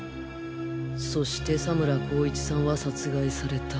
そして佐村功一さんは殺害された。